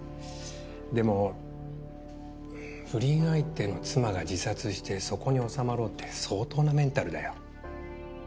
でも不倫相手の妻が自殺してそこに収まろうって相当なメンタルだよ。